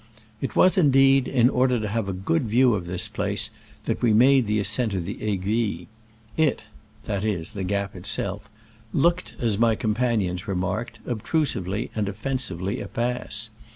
It was, indeed, in order to have a good view of this place that we made the ascent of the Aiguille. It (that is, the gap itself) looked, as my companions remarked, obtrusively and offensively a pass.